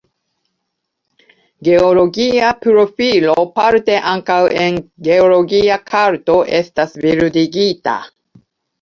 Geologia profilo parte ankaŭ en geologia karto estas bildigita.